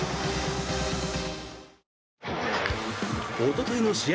おとといの試合